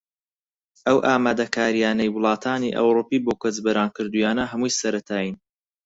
ئەو ئامادەکارییانەی وڵاتانی ئەوروپی بۆ کۆچبەران کردوویانە هەمووی سەرەتایین